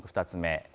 ２つ目。